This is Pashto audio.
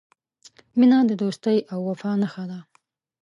• مینه د دوستۍ او وفا نښه ده.